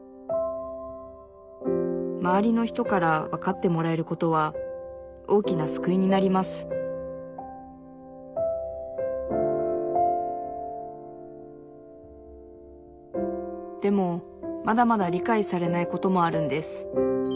周りの人からわかってもらえることは大きな救いになりますでもまだまだ理解されないこともあるんです。